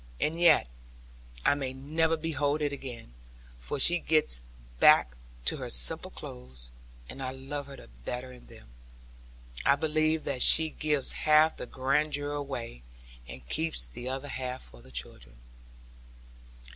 And yet I may never behold it again; for she gets back to her simple clothes, and I love her the better in them. I believe that she gives half the grandeur away, and keeps the other half for the children.